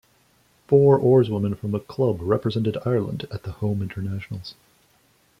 Four oarswomen from the club represented Ireland at the Home Internationals.